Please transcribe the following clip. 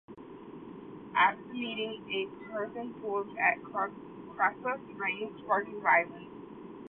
At the meeting, a Parthian pulled at Crassus' reins, sparking violence.